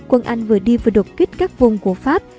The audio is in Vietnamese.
quân anh vừa đi vừa đột kích các vùng của pháp